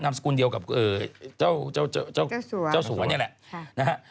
นามสกุลเดียวกับเจ้าสัวนี่แหละ